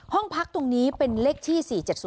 ห้องพักตรงนี้เป็นเลขที่๔๗๐